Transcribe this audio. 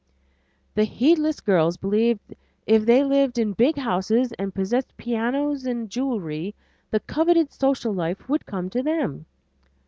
The heedless girls believe that if they lived in big houses and possessed pianos and jewelry, the coveted social life would come to them.